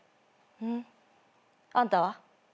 ふん。あんたは？